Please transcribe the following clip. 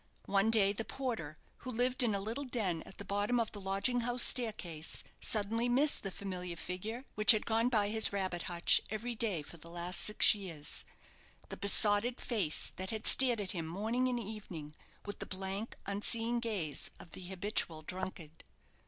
One day the porter, who lived in a little den at the bottom of the lodging house staircase, suddenly missed the familiar figure which had gone by his rabbit hutch every day for the last six years; the besotted face that had stared at him morning and evening with the blank, unseeing gaze of the habitual drunkard.